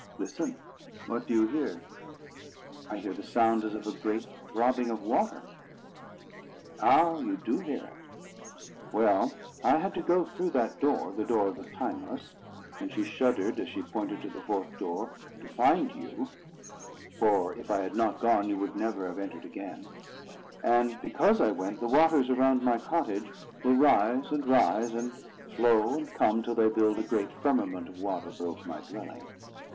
"Listen! What do you hear?" "I hear the sound as of a great throbbing of water." "Ah! you do hear it? Well, I had to go through that door—the door of the Timeless" (and she shuddered as she pointed to the fourth door)—"to find you; for if I had not gone, you would never have entered again; and because I went, the waters around my cottage will rise and rise, and flow and come, till they build a great firmament of waters over my dwelling.